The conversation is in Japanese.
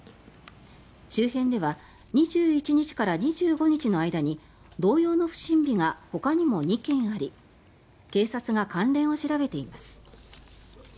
周辺では２１日から２５日の間に同様の不審火がほかにも２件あり警察が関連を調べています。